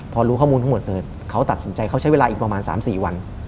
พอรู้ข้อมูลทั้งหมดเสร็จเขาตัดสินใจเขาใช้เวลาอีกประมาณ๓๔วัน